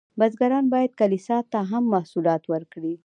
بزګران باید کلیسا ته هم محصولات ورکړي.